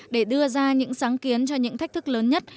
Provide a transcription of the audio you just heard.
để đưa ra những sáng kiến cho những thách thức lớn nhất